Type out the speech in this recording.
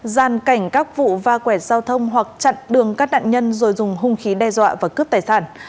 gian cảnh các vụ va quẹt giao thông hoặc chặn đường các nạn nhân rồi dùng hung khí đe dọa và cướp tài sản